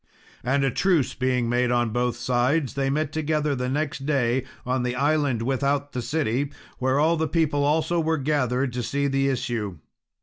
And a truce being made on both sides, they met together the next day on the island without the city, where all the people also were gathered to see the issue.